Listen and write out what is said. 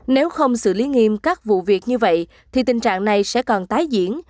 nếu không xử lý nghiêm các vụ việc như vậy thì tình trạng này sẽ còn tái diễn